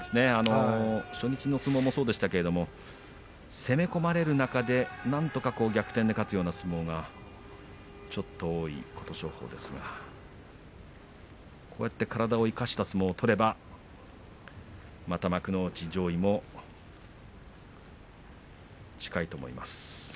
初日の相撲もそうでしたが攻め込まれる中でなんとか逆転で勝つような相撲がちょっと多い琴勝峰ですがこのように体を生かした相撲を取ればまた幕内上位も近いと思います。